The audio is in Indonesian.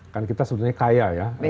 kan kita sebenarnya kaya ya